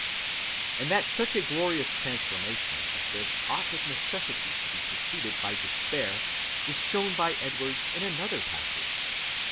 And that such a glorious transformation as this ought of necessity to be preceded by despair is shown by Edwards in another passage.